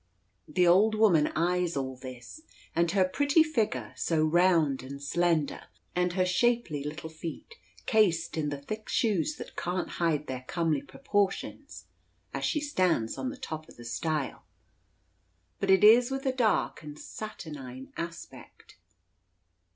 The old woman eyes all this, and her pretty figure, so round and slender, and her shapely little feet, cased in the thick shoes that can't hide their comely proportions, as she stands on the top of the stile. But it is with a dark and saturnine aspect.